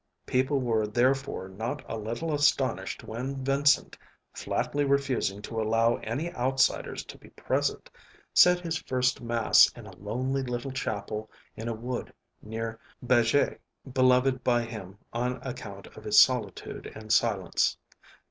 People were therefore not a little astonished when Vincent, flatly refusing to allow any outsiders to be present, said his first Mass in a lonely little chapel in a wood near Bajet, beloved by him on account of its solitude and silence.